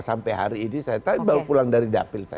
sampai hari ini saya baru pulang dari dapil saya